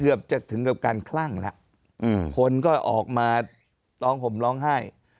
เกือบจะถึงกับการคลั่งละอืมคนก็ออกมาร้องห่มร้องไห้